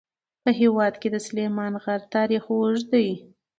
په هېواد کې د سلیمان غر تاریخ اوږد دی.